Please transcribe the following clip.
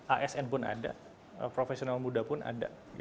asn pun ada profesional muda pun ada